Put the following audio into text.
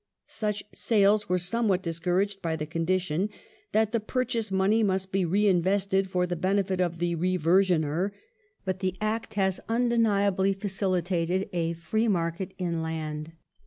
Such sales were somewhat discouraged by the condition that the purchase money must be reinvested for the benefit of the reversioner, but the Act has undeniably facilitated a free market in land.